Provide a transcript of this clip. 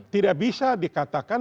tidak bisa dikatakan